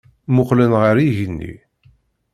Mmuqqlen ɣer yigenni.